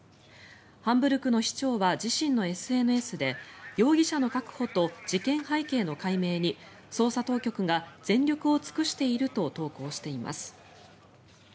ハンブルクの市長は自身のＳＮＳで容疑者の確保と事件背景の解明に捜査当局が全力を尽くしていると投稿しています。